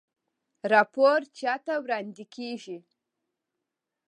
راپور چا ته وړاندې کیږي؟